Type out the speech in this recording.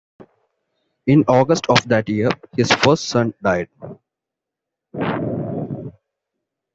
In August of that year, his first son died.